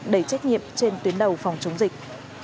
đầy trách nhiệm trên tuyến đầu phòng chống dịch